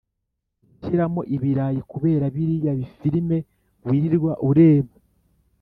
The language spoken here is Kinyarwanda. gushyiramo ibirayi kubera biriya bifirime wirirwa ureba,